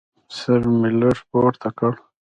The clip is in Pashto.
سر مې لږ پورته کړ.